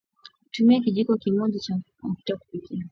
tumia kijiko kimoja cha mafuta ya kupikia